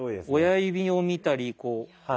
親指を見たりこう。